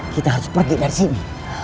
kita harus pergi dari sini